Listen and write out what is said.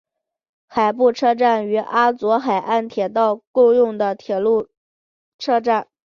海部车站与阿佐海岸铁道共用的铁路车站。